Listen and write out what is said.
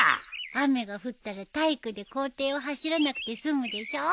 雨が降ったら体育で校庭を走らなくて済むでしょう。